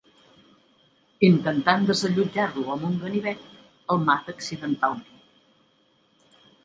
Intentant desallotjar-lo amb un ganivet, el mata accidentalment.